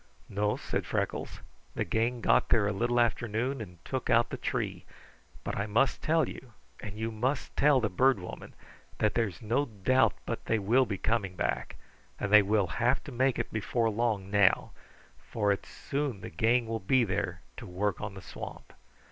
"No," said Freckles. "The gang got there a little after noon and took out the tree, but I must tell you, and you must tell the Bird Woman, that there's no doubt but they will be coming back, and they will have to make it before long now, for it's soon the gang will be there to work on the swamp."